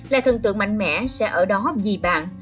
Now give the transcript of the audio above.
là thần tượng mạnh mẽ sẽ ở đó vì bạn